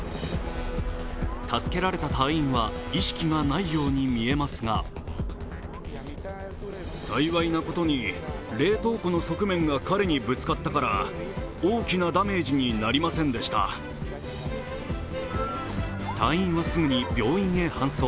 助けられた隊員は意識がないように見えますが隊員はすぐに病院へ搬送。